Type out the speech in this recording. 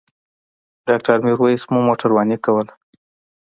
ډاکټر میرویس مو موټرواني کوله.